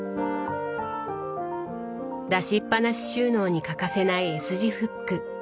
出しっぱなし収納に欠かせないＳ字フック。